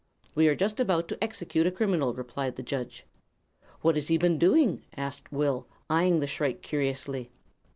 "'We are just about to execute a criminal,' replied the judge. "'What has he been doing?' asked Will, eyeing the shrike curiously.